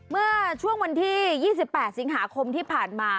เมื่อช่วงวันที่๒๘สิงหาคมที่ผ่านมา